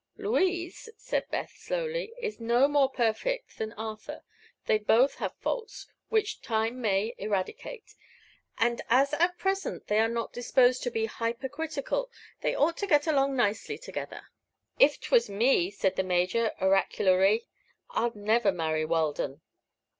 "Louise," said Beth, slowly, "is no more perfect than Arthur. They both have faults which time may eradicate, and as at present they are not disposed to be hypercritical they ought to get along nicely together." "If 't was me," said the Major, oracularly, "I'd never marry Weldon."